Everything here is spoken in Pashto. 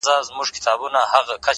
هره ستونزه نوی مهارت زېږوي؛